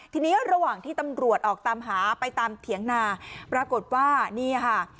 ทีนี้ระหว่างที่ตำรวจออกตามหาไปตามเถียงนาปรากฏว่านี่ค่ะ